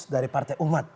dari partai umat